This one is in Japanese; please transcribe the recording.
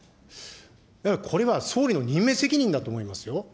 だからこれは総理の任命責任だと思いますよ。